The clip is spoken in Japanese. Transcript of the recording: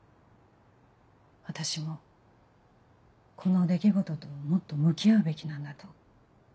私もこの出来事ともっと向き合うべきなんだと。